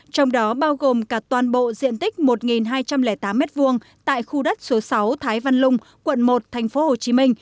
trong đó bao gồm cả toàn bộ diện tích một hai trăm linh tám m hai tại khu đất số sáu thái văn lung quận một tp hcm